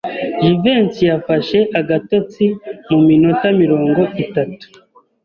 Jivency yafashe agatotsi mu minota mirongo itatu.